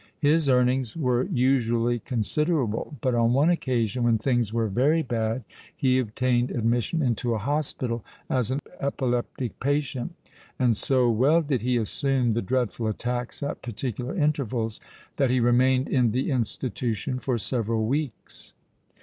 His earnings were usually considerable: but on one occasion, "when things were very bad," he obtained admission into a hospital as an epileptic patient; and so well did he assume the dreadful attacks at particular intervals, that he remained in the institution for several weeks.